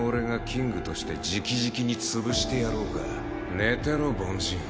寝てろ凡人。